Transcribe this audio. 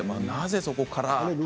なぜそこから。